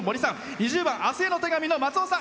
２０番「明日への手紙」のまつおさん。